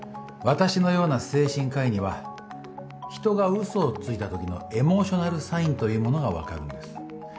私のような精神科医には人がうそをついたときのエモーショナルサインというものがわかるんです。